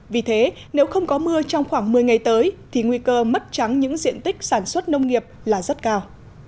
vì thế nếu không có mưa trong khoảng một mươi ngày tới thì nguy cơ mất trắng những diện tích sản xuất nông nghiệp là rất cao